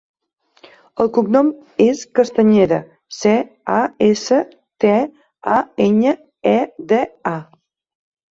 El cognom és Castañeda: ce, a, essa, te, a, enya, e, de, a.